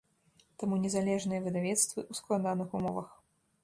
Таму незалежныя выдавецтвы ў складаных умовах.